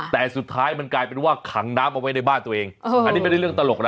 แต่สุดท้ายมันกลายเป็นว่าขังน้ำเอาไว้ในบ้านตัวเองอันนี้ไม่ได้เรื่องตลกนะ